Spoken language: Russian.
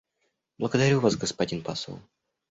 Благодарю Вас, господин посол.